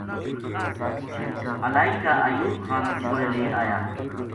الائی کا ایوب خان کولے لے آیا